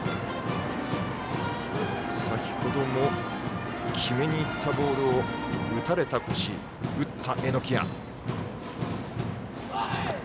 先ほども決めにいったボールを打たれた越井、打った榎谷。